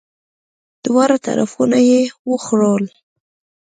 دواړه طرفونه یی وخوړل!